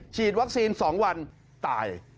ฉีดวัคซีน๒วันตาย